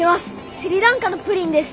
スリランカのプリンです。